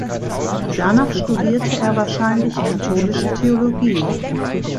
Danach studierte er wahrscheinlich katholische Theologie.